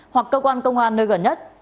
hoặc cơ quan công an nơi gần nhất